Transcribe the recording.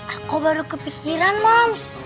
aku baru kepikiran moms